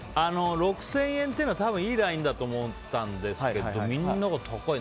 ６０００円というのは多分いいラインだと思うんですけどみんなが高いな。